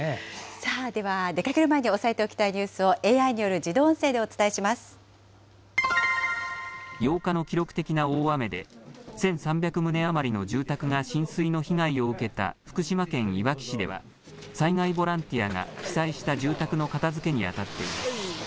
では、出かける前に押さえておきたいニュースをＡＩによる自動音声でお８日の記録的な大雨で、１３００棟余りの住宅が浸水の被害を受けた福島県いわき市では、災害ボランティアが被災した住宅の片づけに当たっています。